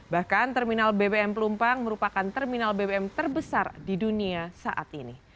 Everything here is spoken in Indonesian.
bahkan terminal bbm pelumpang merupakan terminal bbm terbesar di dunia saat ini